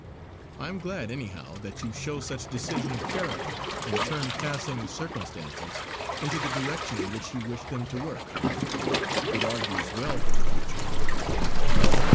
I am glad, anyhow, that you show such decision of character, and turn passing circumstances into the direction in which you wish them to work. It argues well for the future!"